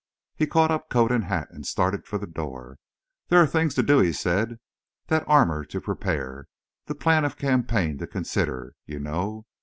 He caught up coat and hat and started for the door. "There are things to do," he said; "that armour to prepare the plan of campaign to consider, you know.